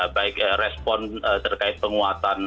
baik respon terkait penguatan